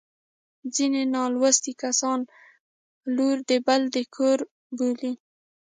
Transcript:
ځیني نالوستي کسان لور د بل د کور بولي